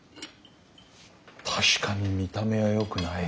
確かに見た目はよくない。